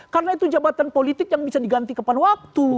karena itu jabatan politik yang bisa diganti kapan waktu